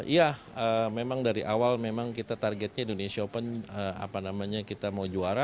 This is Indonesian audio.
ya memang dari awal memang kita targetnya indonesia open kita mau juara